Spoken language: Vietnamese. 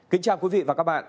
kính chào quý vị và các bạn